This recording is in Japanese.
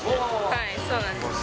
はい、そうなんです。